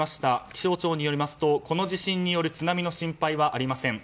気象庁によりますとこの地震による津波の心配はありません。